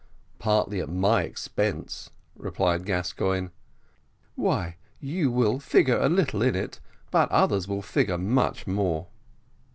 "Partly at my expense," replied Gascoigne. "Why, you will figure a little in it, but others will figure much more."